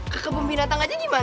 ke kebun binatang aja gimana